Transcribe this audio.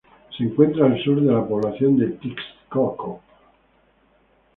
Se encuentra al sur de la población de Tixkokob.